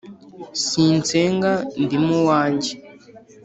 sinsenga ndi mu wanjye